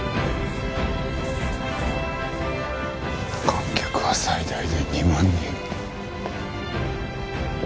観客は最大で２万人。